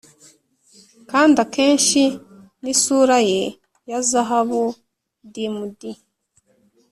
kandi akenshi ni isura ye ya zahabu dimm'd;